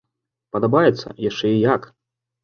Падабаецца, яшчэ і як!